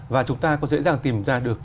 và chúng ta có dễ dàng tìm ra được